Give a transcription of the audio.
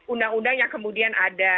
undang undang yang kemudian ada